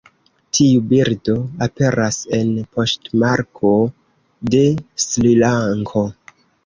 Tiu birdo aperas en poŝtmarko de Srilanko.